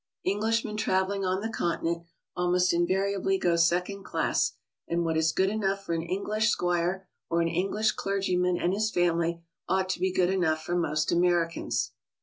Englishmen traveling on the Continent almost invariably go second class, and what is good enough for an English squire or an English clergyman and his family, ought to be good enough for most Americans.